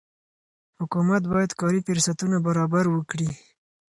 حکومت باید کاري فرصتونه برابر وکړي.